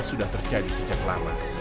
sudah terjadi sejak lalu